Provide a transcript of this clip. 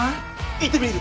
行ってみる。